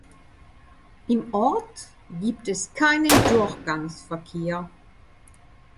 Im Ort gibt es keinen Durchgangsverkehr.